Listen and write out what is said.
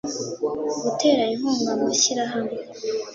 gutera inkunga amashyirahamwe